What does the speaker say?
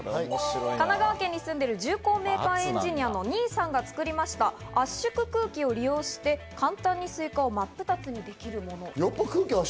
神奈川県に住んでいる重工メーカーエンジニアのＮｉｉさんが作りました、圧縮空気を利用して簡単にスイカを真っ二つに割るもの。